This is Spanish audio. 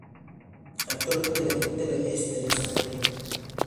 Actualmente la directora es Teresa Rodrigo.